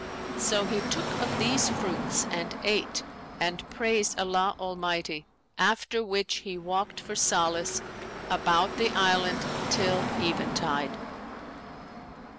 [FN#522] So he took of these fruits and ate and praised Allah Almighty; after which he walked for solace; about the island till eventide."